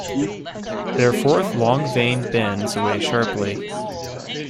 Their fourth long vein bends away sharply.